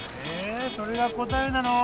それが答えなの？